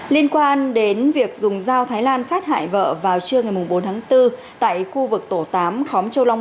liên quan đến việc dùng dao thái lan sát hại vợ vào trưa ngày bốn tháng bốn tại khu vực tổ tám khóm châu long